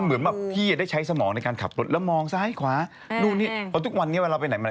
เหมือนแบบพี่ได้ใช้สมองในการขับรถแล้วมองซ้ายขวานู่นนี่เพราะทุกวันนี้เวลาไปไหนมา